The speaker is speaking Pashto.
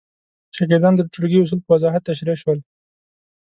شاګردانو ته د ټولګي اصول په وضاحت تشریح شول.